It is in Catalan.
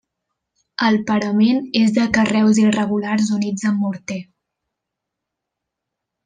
El parament és de carreus irregulars units amb morter.